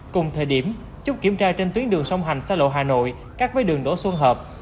cùng thời điểm chút kiểm tra trên tuyến đường sông hành xa lộ hà nội cắt với đường đỗ xuân hợp